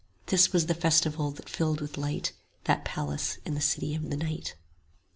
This was the festival that filled with light That palace in the City of the Night.